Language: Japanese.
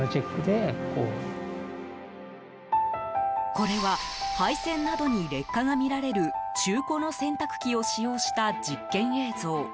これは、配線などに劣化がみられる中古の洗濯機を使用した実験映像。